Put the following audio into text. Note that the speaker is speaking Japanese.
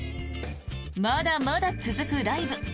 まだまだ続くライブ